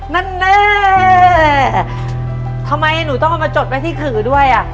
นั่นแน่ทำไมหนูต้องเอามาจดไว้ที่ขือด้วยอ่ะ